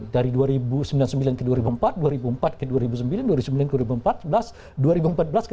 dari dua ribu sembilan ke dua ribu empat